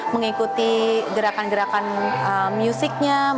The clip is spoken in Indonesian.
mengikuti gerakan gerakan musiknya